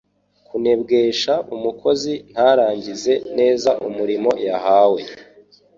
kunebwesha umukozi ntarangize neza umurimo yahawe.